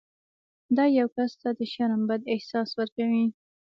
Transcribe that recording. دا یو کس ته د شرم بد احساس ورکوي.